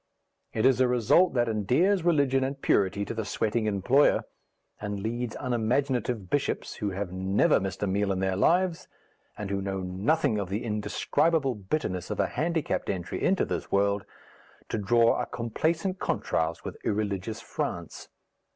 It is a result that endears religion and purity to the sweating employer, and leads unimaginative bishops, who have never missed a meal in their lives, and who know nothing of the indescribable bitterness of a handicapped entry into this world, to draw a complacent contrast with irreligious France.